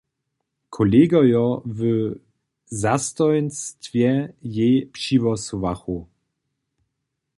Kolegojo w zastojnstwje jej přihłosowachu.